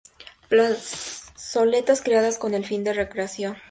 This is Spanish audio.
Plazoletas creadas con el fin de recreación.